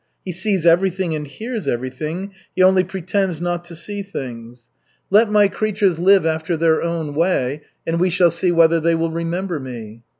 He sees everything and hears everything, he only pretends not to see things. 'Let my creatures live after their own way, and we shall see whether they will remember me.'